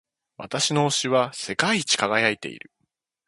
私の押しは世界一輝いている。